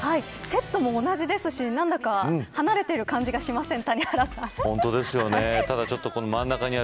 セットも同じですし何だか離れている感じがしません。